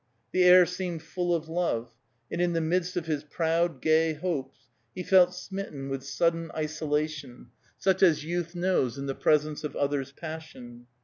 The air seemed full of love, and in the midst of his proud, gay hopes, he felt smitten with sudden isolation, such as youth knows in the presence of others' passion.